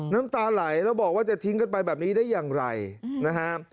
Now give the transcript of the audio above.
น้ำตาไหลแล้วบอกว่าจะทิ้งกันไปแบบนี้ได้อย่างไรนะฮะ